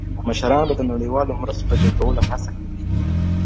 مشران به د نړيوالو مرستو د جذبولو هڅه کوي.